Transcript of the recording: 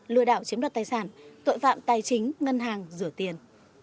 lừa đạo chiếm đặt tài sản tội phạm tài chính ngân hàng rửa tiền